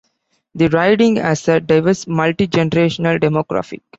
The riding has a diverse, multi-generational demographic.